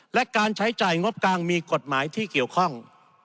และการใช้จ่ายงบกลางมีกฎหมายที่เกี่ยวข้อง